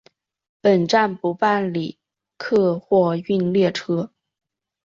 本站不办理客货运列车。